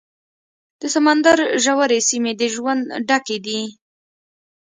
د سمندر ژورې سیمې د ژوند ډکې دي.